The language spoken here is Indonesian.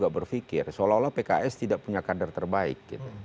berpikir seolah olah pks tidak punya kader terbaik